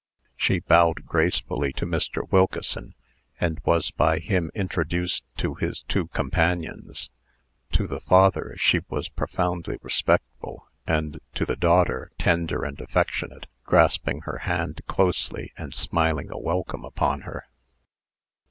She bowed gracefully to Mr. Wilkeson, and was by him introduced to his two companions. To the father she was profoundly respectful, and to the daughter tender and affectionate, grasping her hand closely, and smiling a welcome upon her.